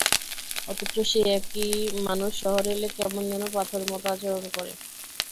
অথচ সেই একই মানুষ শহরে এলে কেমন যেন পাথরের মতো আচরণ করে।